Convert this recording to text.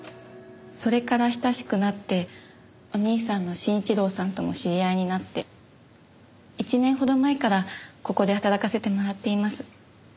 それから親しくなってお兄さんの真一郎さんとも知り合いになって１年ほど前からここで働かせてもらっています。